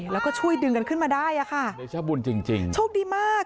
แล้วก็ช่วยดึงกันขึ้นมาได้อ่ะค่ะเดชาบุญจริงจริงโชคดีมาก